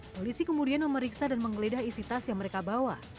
polisi kemudian memeriksa dan menggeledah isi tas yang mereka bawa